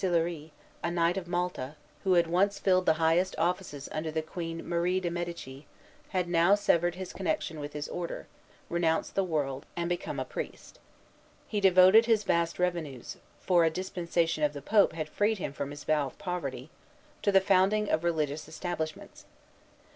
Noel Brulart de Sillery, a Knight of Malta, who had once filled the highest offices under the Queen Marie de Médicis, had now severed his connection with his Order, renounced the world, and become a priest. He devoted his vast revenues for a dispensation of the Pope had freed him from his vow of poverty to the founding of religious establishments.